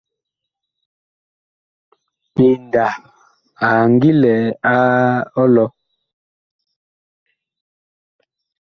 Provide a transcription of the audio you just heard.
PENDA a ngi lɛ a ɔlɔ.